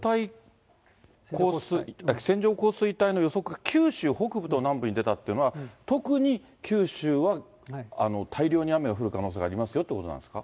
これ、線状降水帯の予測が九州北部と南部に出たっていうのは、特に九州は、大量に雨が降る可能性がありますよということなんですか。